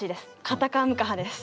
カタカムカハです。